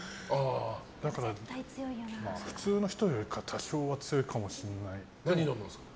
だから普通の人よりか多少は強いかもしれないです。